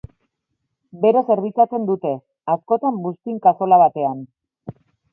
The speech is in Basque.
Bero zerbitzatzen dute, askotan buztin-kazola batean.